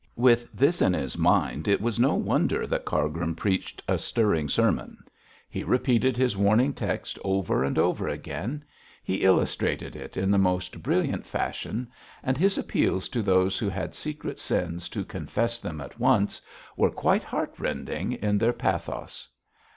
With this in his mind it was no wonder that Cargrim preached a stirring sermon. He repeated his warning text over and over again; he illustrated it in the most brilliant fashion; and his appeals to those who had secret sins, to confess them at once, were quite heartrending in their pathos.